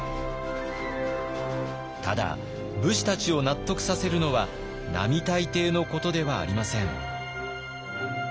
ただ武士たちを納得させるのは並大抵のことではありません。